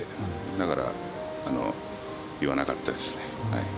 だから言わなかったですね。